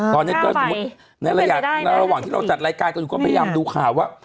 ตอนนี้ก็สมมุติในระยะระหว่างที่เราจัดรายการกันอยู่ก็พยายามดูข่าวว่า